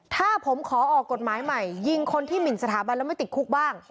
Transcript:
ถ้าผมขอออกกฎหมายใหม่ยิงคนที่หมินสถาบันแล้วไม่ติดคุกบ้าง